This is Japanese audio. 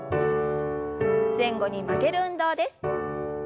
前後に曲げる運動です。